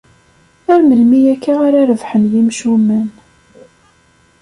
Ar melmi akka ara rebbḥen yimcumen?